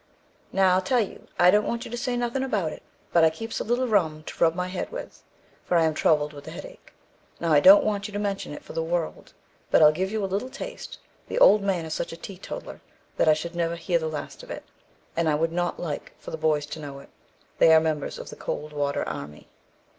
'Now I'll tell you, I don't want you to say nothin' about it, but I keeps a little rum to rub my head with, for I am troubled with the headache; now I don't want you to mention it for the world, but I'll give you a little taste, the old man is such a teetotaller, that I should never hear the last of it, and I would not like for the boys to know it, they are members of the "Cold Water Army."'